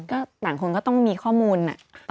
ก็ต่างคนก็ต้องมีข้อมูล